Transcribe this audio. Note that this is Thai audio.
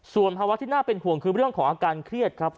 ส่วนภาวะที่น่าเป็นห่วงคือเรื่องของอาการเครียดครับ